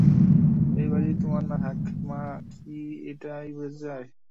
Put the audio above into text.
এই বাড়ি তোমার না থাক, মা কী এটাই বুঝাতে চায়?